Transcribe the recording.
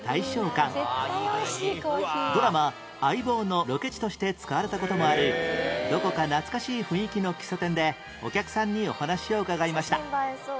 ドラマ『相棒』のロケ地として使われた事もあるどこか懐かしい雰囲気の喫茶店でお客さんにお話を伺いました